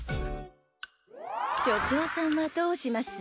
しょちょうさんはどうします？